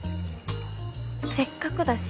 せっかくだし。